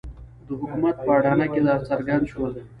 د حکومت په اډانه کې راڅرګند شول.